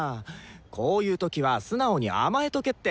こういう時は素直に甘えとけって！